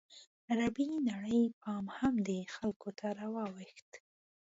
عربي نړۍ پام هم دې خلکو ته راواوښت.